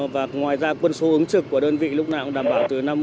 và ngoài ra quân số ứng trực của đơn vị lúc nào cũng đảm bảo từ năm mươi đến một trăm linh